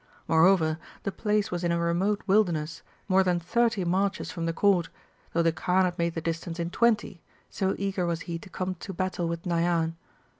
Moreover, the place was in a remote wilderness, more than thirty marches from the Court, though the Kaan had made the distance in twenty, so eager was he to come to battle with Nayan.